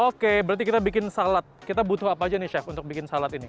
oke berarti kita bikin salad kita butuh apa aja nih chef untuk bikin salad ini